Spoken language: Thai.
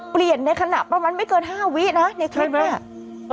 เปลี่ยนในขณะประมาณไม่เกิน๕วินะแล้ว